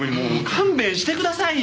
勘弁してくださいよ。